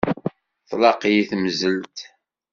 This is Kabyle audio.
Tlaq-iyi temzelt?